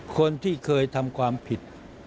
คนที่เคยทำความผิด